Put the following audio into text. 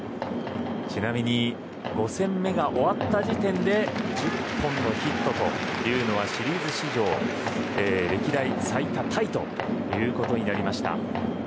ちなみに５戦目が終わった時点で１０本のヒットというのはシリーズ史上歴代最多タイとなりました。